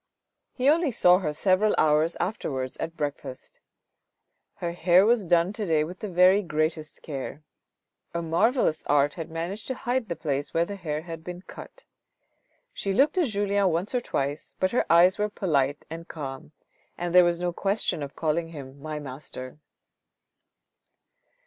He only saw her several hours afterwards at breakfast. Her hair was done to day with the very greatest care ; a marvellous art had managed to hide the place where the hair had been cut. She looked at Julien once or twice, but her eyes were polite and calm, and there was no question of calling him " My Master."